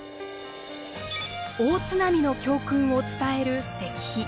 大津波の教訓を伝える石碑。